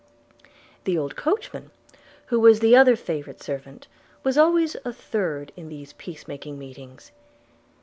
The old coachman, who was the other favourite servant, was always a third in these peace making meetings.